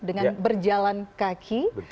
dengan berjalan kaki